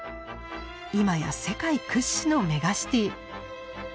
今や世界屈指のメガシティ。